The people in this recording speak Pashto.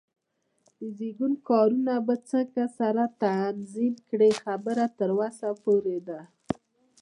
د زېږون کارونه به څنګه سره تنظیم کړې؟ خبره تر وسه پورې ده.